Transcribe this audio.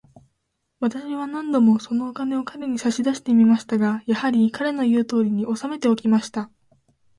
私は何度も、そのお金を彼に差し出してみましたが、やはり、彼の言うとおりに、おさめておきました。